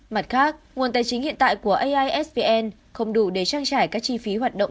mặt khác nguồn tài chính hiện tại của aisvn không đủ để trang trải các chi phí hoạt động